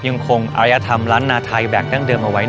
ยังคงอารยธรรมร้านธนาไทแบกดงเดิมเอาไว้